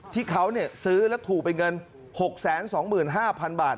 ที่เขาซื้อแล้วถูกเป็นเงิน๖๒๕๐๐๐บาท